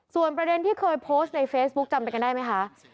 ส่วนประเด็นที่เคยโพสต์ในเฟซบุ๊คจำไปกันได้ไหมคะ